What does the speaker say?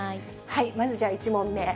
まずじゃあ１問目。